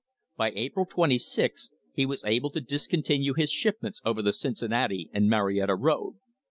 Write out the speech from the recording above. By April 26 he was able to discontinue his shipments over the Cincinnati and Marietta road.